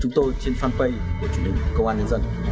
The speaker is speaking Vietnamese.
cảm ơn các bạn đã theo dõi